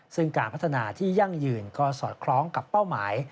ซึ่งการพัฒนาที่ยั่งยืนก็สอดคล้องกับเป้าหมาย